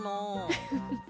ウフフフ。